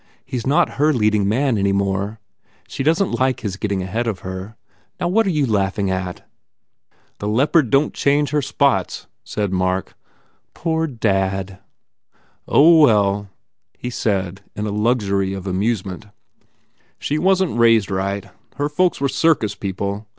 He s not her leading man any more. She doesn t like his getting ahead of her. Now what are you laughing at?" 189 THE FAIR REWARDS "The leopard don t change her spots/* said Mark. "Poor dad !" u Oh, well/ he said in a luxury of amusement, "She wasn t raised right. Her folks were circus people.